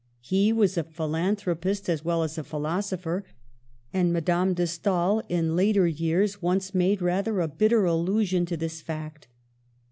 He was a philanthropist as well as a philosopher, and Madame de Stael in later years once made rather a bitter allusion to this fact.